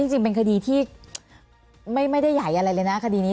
จริงเป็นคดีที่ไม่ได้ใหญ่อะไรเลยนะคดีนี้